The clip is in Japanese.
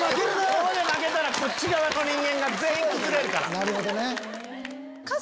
ここで負けたらこっち側の人間が全員崩れるから。